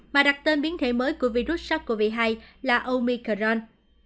mà đặt tên biến thể mới của virus sars cov hai là omicron